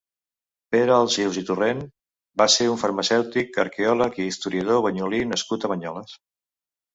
Pere Alsius i Torrent va ser un farmacèutic, arqueòleg i historiador banyolí nascut a Banyoles.